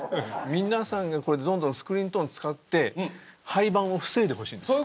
皆さんがどんどんスクリーントーン使って廃番を防いでほしいんです。